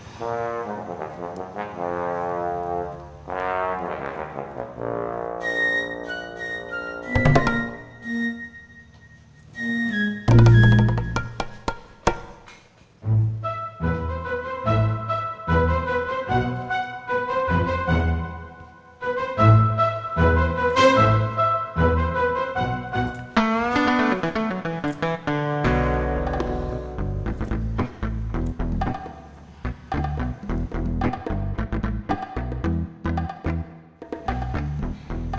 apapun halnya bukanya lingkungan agama manusia saja